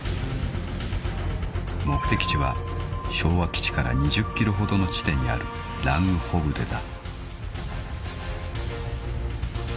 ［目的地は昭和基地から２０ｋｍほどの地点にあるラングホブデだ］